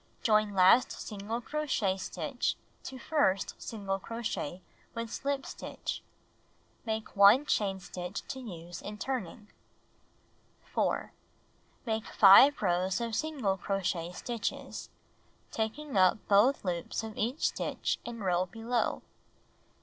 Join last single crochet stitch to first single crochet with slip stitch. Make 1 chain stitch to use in turning. 4. Make 5 rows of single crochet stitches, tak ing up both loop3 of each stitch in row below.